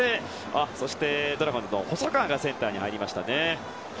そしてドラゴンズの細川がセンターに入りました。